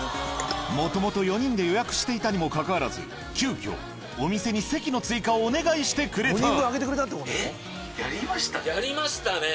もともと４人で予約していたにもかかわらず急きょお店に席の追加をお願いしてくれたやりましたね。